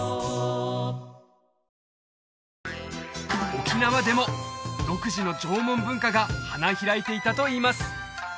沖縄でも独自の縄文文化が花開いていたといいます